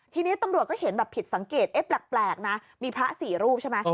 ทีนี้ตำรวจก็เห็นแบบผิดสังเกตแปลกนะมีพระสี่รูปใช่ไหม